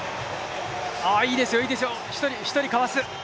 いいですよ、１人かわす。